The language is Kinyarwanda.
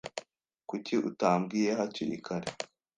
Kuki utambwiye hakiri kare?